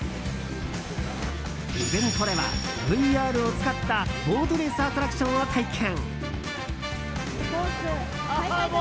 イベントでは、ＶＲを使ったボートレースアトラクションを体験！